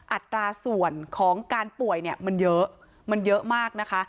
อัตราส่วนของการป่วยเนี่ยมันเยอะนะคะ